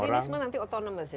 jadi ini semua nanti autonomous ya